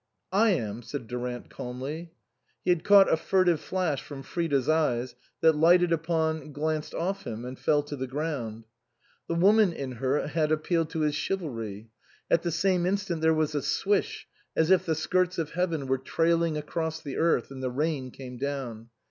" I am," said Durant calmly. He had caught a furtive flash from Frida's eyes that lighted upon, glanced off him and fell to the ground. The woman in her had appealed to his chivalry. At the same instant there was a swish, as if the skirts of heaven were trailing across the earth, and the rain came down.